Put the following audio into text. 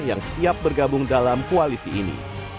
yang siap bergabung dalam koalisi ini